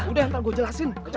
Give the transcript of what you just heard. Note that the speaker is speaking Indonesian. udah nanti gue jelasin